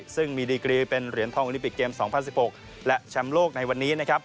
ซึ่งมีดีกรีเป็นเหรียญทองโอลิมปิกเกม๒๐๑๖และแชมป์โลกในวันนี้นะครับ